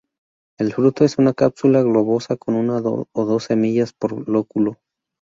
El fruto es una cápsula globosa con una o dos semillas por lóculo.